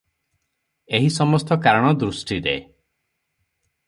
ଏହି ସମସ୍ତ କାରଣ ଦୃଷ୍ଟିରେ ।